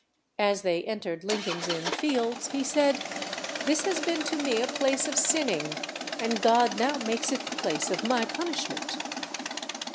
As they entered Lincoln's Inn Fields he said, "This has been to me a place of sinning, and God now makes it the place of my punishment."